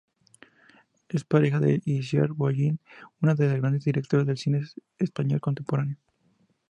Es pareja de Icíar Bollaín, una de las grandes directoras del cine español contemporáneo.